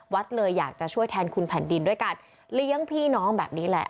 วัดเลยอยากจะช่วยแทนคุณแผ่นดินด้วยการเลี้ยงพี่น้องแบบนี้แหละ